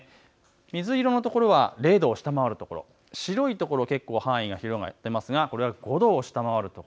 水色の所は０度を下回る所、白い所、結構、範囲が広がってますが、これは５度を下回る所。